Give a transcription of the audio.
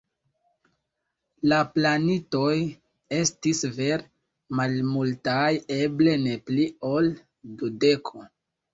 La planintoj estis vere malmultaj, eble ne pli ol dudeko.